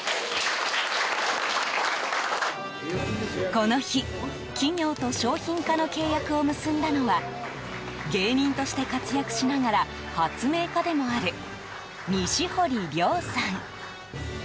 この日、企業と商品化の契約を結んだのは芸人として活躍しながら発明家でもある、西堀亮さん。